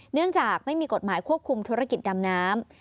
เนื่องจากไม่มีกฎหมายควบคุมธุรกิจดำน้ำ